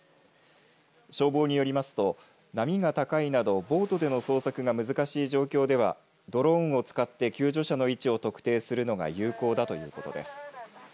消防によりますと波が高いなどボートでの捜索が難しい状況ではドローンを使って救助者の位置を特定するのが有効だということです。